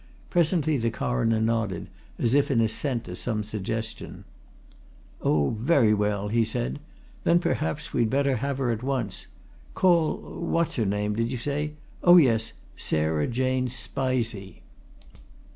Presently the Coroner nodded, as if in assent to some suggestions. "Oh, very well," he said. "Then perhaps we'd better have her at once. Call what's her name, did you say? Oh, yes Sarah Jane Spizey!"